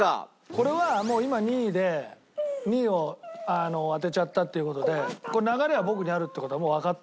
これはもう今２位で２位を当てちゃったという事で流れは僕にあるって事はもうわかったんで。